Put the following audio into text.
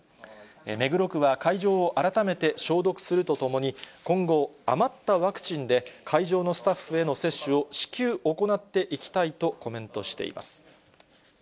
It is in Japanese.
目黒区は、会場を改めて消毒するとともに、今後、余ったワクチンで会場のスタッフへの接種を至急行っていきたいとコメントしています。